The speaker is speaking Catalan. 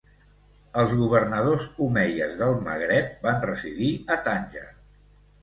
Els governadors omeies del Magreb van residir a Tànger.